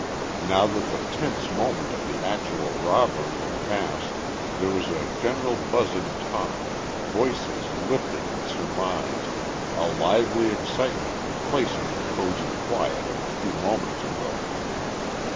Now that the tense moment of the actual robbery had passed there was a general buzzing talk, voices lifted in surmise, a lively excitement replacing the cosy quiet of a few moments ago.